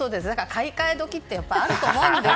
買い替え時はあると思うんです。